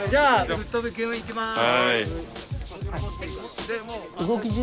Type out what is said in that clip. ・ぶっ飛び系をいきます。